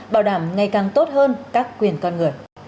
bảo đảm ngày càng tốt hơn các quyền con người